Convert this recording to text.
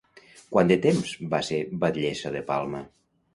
Quant de temps va ser batllessa de Palma?